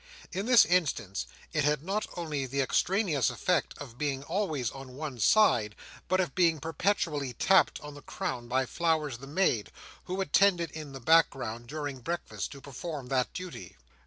In this instance, it had not only the extraneous effect of being always on one side, but of being perpetually tapped on the crown by Flowers the maid, who attended in the background during breakfast to perform that duty.